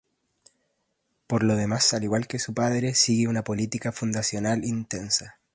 Por lo demás al igual que su padre sigue una política fundacional intensa.